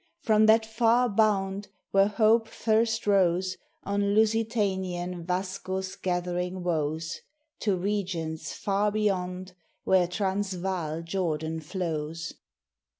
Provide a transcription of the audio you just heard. From that far bound, where hope first rose On Lusitanian Vasco's gathering woes, To regions far beyond where Transvaal Jordan flows.